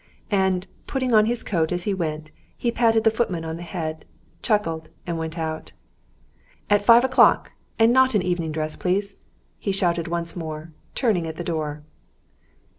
And, putting on his coat as he went, he patted the footman on the head, chuckled, and went out. "At five o'clock, and not evening dress, please," he shouted once more, turning at the door.